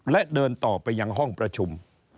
และเดินต่อไปยังห้องประชุม